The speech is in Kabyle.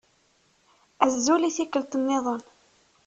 Azul i tikkelt-nniḍen.